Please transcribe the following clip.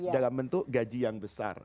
dalam bentuk gaji yang besar